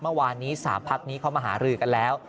เมื่อวานนี้๓พักนี้เขามาหารือกันแล้ว